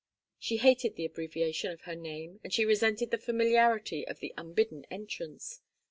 She hated the abbreviation of her name and she resented the familiarity of the unbidden entrance.